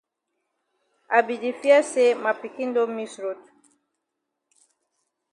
I be di fear say ma pikin don miss road.